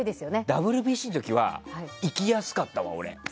ＷＢＣの時は行きやすかったわ俺。